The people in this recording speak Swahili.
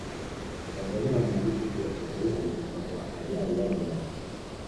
watanzania wanaamini kuwa sokoine amekufa kwa ajali ya gari